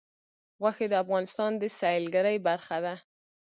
غوښې د افغانستان د سیلګرۍ برخه ده.